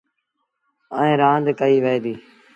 ايٚئيٚن رآند ڪئيٚ وهي ديٚ۔